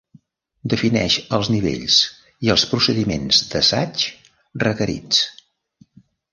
Defineix els nivells i els procediments d'assaig requerits.